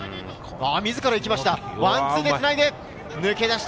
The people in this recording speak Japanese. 自ら行きました。